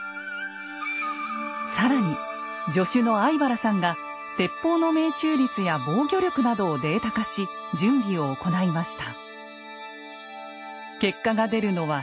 更に助手の粟飯原さんが鉄砲の命中率や防御力などをデータ化し準備を行いました。